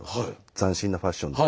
斬新なファッションで。